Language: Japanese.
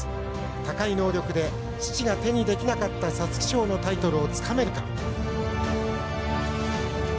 高い能力で父が手にできなかった皐月賞のタイトルをつかめるか。